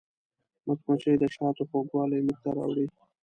مچمچۍ د شاتو خوږوالی موږ ته راوړي